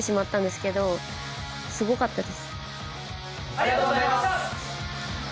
ありがとうございます！